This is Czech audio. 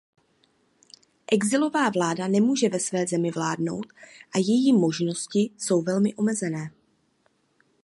Exilová vláda nemůže ve své zemi vládnout a její možnosti jsou velmi omezené.